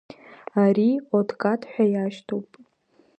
Ари откат ҳәа иашьҭоуп.